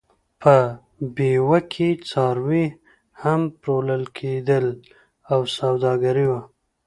په پېوه کې څاروي هم پلورل کېدل او سوداګري وه.